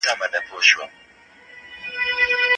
له خپلي ټولني سره پوره اشنا واوسه.